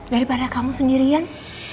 daripada kamu sendirian